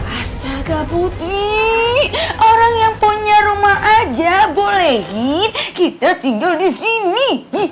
astaga putri orang yang punya rumah aja bolehin kita tinggal disini